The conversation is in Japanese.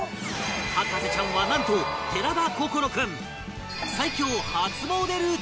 博士ちゃんはなんと寺田心君